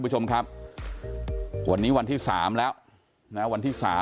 วันนี้วันที่๓แล้ว